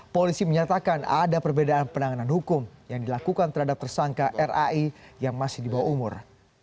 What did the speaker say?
polisi menyatakan ada perbedaan penanganan hukum yang dilakukan terhadap tersangka rai yang masih di bawah umur